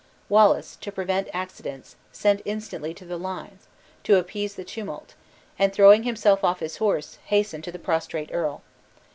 Wallace, to prevent accidents, sent instantly to the lines, to appease the tumult, and throwing himself off his horse, hastened to the prostrate earl.